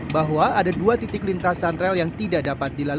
bahwa ada dua titik lintasan rel yang tidak dapat dilalui